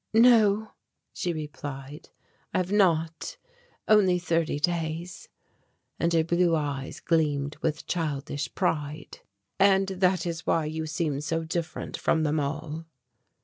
"No," she replied, "I have not. Only thirty days"; and her blue eyes gleamed with childish pride. "And that is why you seem so different from them all?"